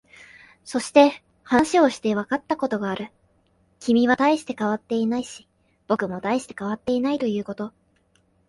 そして、話をしていてわかったことがある。君は大して変わっていないし、僕も大して変わっていないということ。